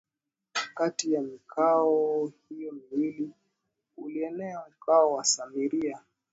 Kati ya mikoa hiyo miwili ulienea mkoa wa Samaria